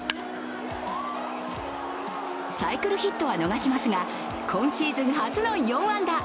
サイクルヒットは逃しますが今シーズン初の４安打。